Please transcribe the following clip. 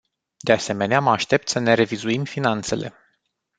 De asemenea, mă aștept să ne revizuim finanțele.